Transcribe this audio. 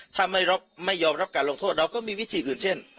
ถ้าไม่ยอมรับการลงโทษเราก็มีวิธีอื่นเช่น